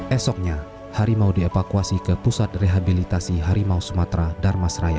esoknya hari mau dievakuasi ke pusat rehabilitasi harimau sumatera darmasraya